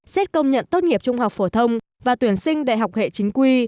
xét công nhận tốt nghiệp trung học phổ thông và tuyển sinh đại học hệ chính quy